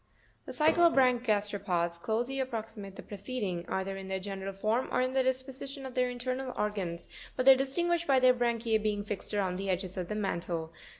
32. The cyclobranch gasteropods closely approximate the pre ceding, either in their general form, or in the disposition of their internal organs; but they are distinguished by their branchise being fixed around the edges of the mantle ( fig.